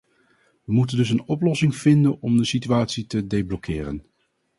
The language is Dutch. We moeten dus een oplossing vinden om de situatie te deblokkeren.